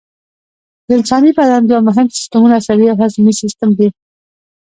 د انساني بدن دوه مهم سیستمونه عصبي او هضمي سیستم دي